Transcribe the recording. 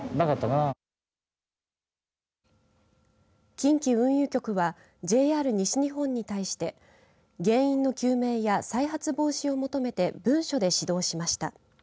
近畿運輸局はＪＲ西日本に対して原因の究明や再発防止を求めて文書で指導しました。